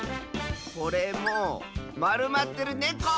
これもまるまってるネコ！